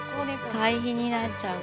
堆肥になっちゃうよ。